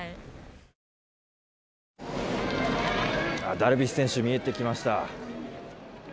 ダルビッシュ選手見えてきました。